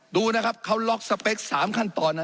ดูนะครับเขาล็อกสเปค๓ขั้นตอนนะ